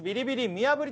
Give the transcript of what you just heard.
見破り